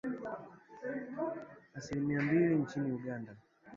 asilimia mbili nchini Uganda